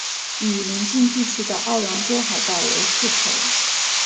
与邻近地区的奥兰多海盗为世仇。